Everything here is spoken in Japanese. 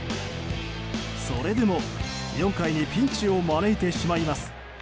それでも４回にピンチを招いてしまいます。